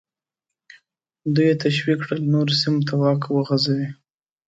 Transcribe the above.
دوی یې تشویق کړل نورو سیمو ته واک وغځوي.